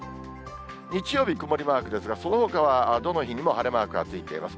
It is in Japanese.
日曜日、曇りマークですが、そのほかはどの日にも晴れマークがついています。